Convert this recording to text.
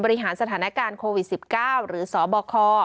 บริหารสถานการณ์โควิด๑๙หรือสบค